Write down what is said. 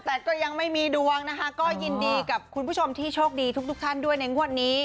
แต่ก็ยังไม่มีดวงนะคะก็ยินดีกับคุณผู้ชมที่โชคดีทุกท่านด้วยในงวดนี้